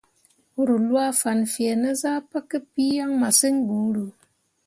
Ruu lwaa fan fẽẽ ne zah pǝkǝpii yaŋ masǝŋ buuru.